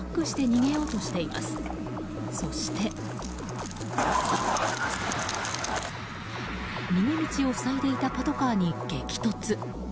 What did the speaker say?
逃げ道を塞いでいたパトカーに激突。